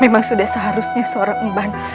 memang sudah seharusnya seorang emban